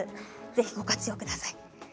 ご活用ください。